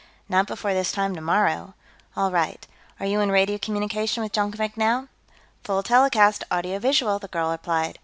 "Not before this time tomorrow." "All right. Are you in radio communication with Jonkvank now?" "Full telecast, audio visual," the girl replied.